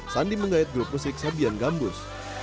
sandi mengait grup musik sabian gambar